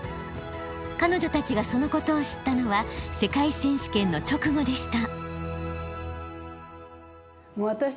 彼女たちがそのことを知ったのは世界選手権の直後でした。